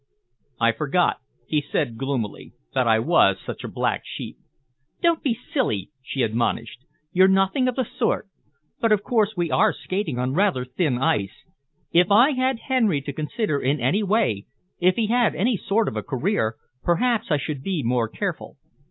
"I forgot," he said gloomily, "that I was such a black sheep." "Don't be silly," she admonished. "You're nothing of the sort. But, of course, we are skating on rather thin ice. If I had Henry to consider in any way, if he had any sort of a career, perhaps I should be more careful.